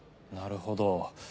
なるほど。